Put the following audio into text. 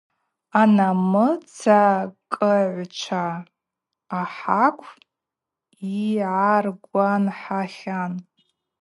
Анамыцакӏыгӏвчва ахакв йгӏаргванхахьан.